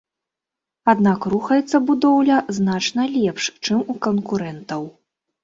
Аднак рухаецца будоўля значна лепш, чым у канкурэнтаў.